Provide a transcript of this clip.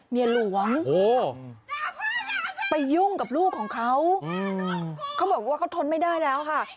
เมียหลวงไปยุ่งกับลูกของเขาเขาบอกว่าเขาทนไม่ได้แล้วค่ะ